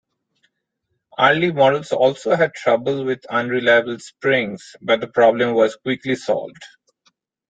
Early models also had trouble with unreliable springs, but the problem was quickly solved.